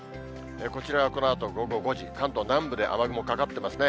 こちらはこのあと午後５時、関東南部で雨雲かかってますね。